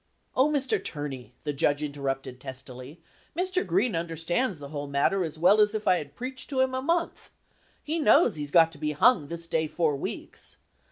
"Oh, Mr. Turney," the judge interrupted tes tily, "Mr. Green understands the whole matter as well as if I had preached to him a month. Lie knows he 's got to be hung this day four weeks.